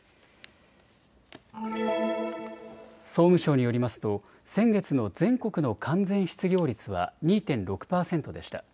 総務省によりますと先月の全国の完全失業率は２．６％でした。